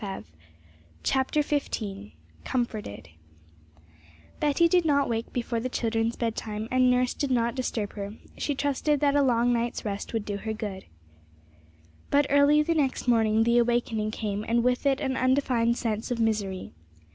CHAPTER XV Comforted Betty did not wake before the children's bedtime, and nurse did not disturb her; she trusted that a long night's rest would do her good. But early the next morning the awakening came, and with it an undefined sense of misery.